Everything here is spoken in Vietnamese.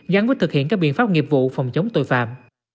gián quyết thực hiện các biện pháp nghiệp vụ phòng chống tội phạm